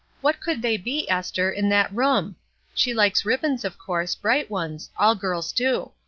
What could they be, Esther, in that room? She likes ribbons, of course, bright ones; all girls do.